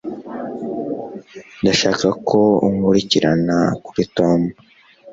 Ndashaka ko unkurikirana kuri Tom